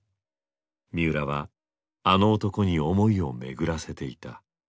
三浦はあの男に思いを巡らせていた。